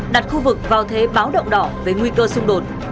đặt khu vực vào thế báo động đỏ về nguy cơ xung đột